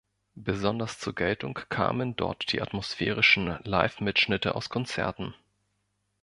Besonders zur Geltung kamen dort die atmosphärischen Live-Mitschnitte aus Konzerten.